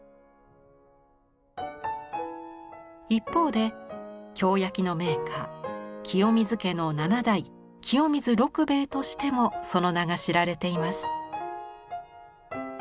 一方で京焼の名家清水家の７代清水六兵衞としてもその名が知られています。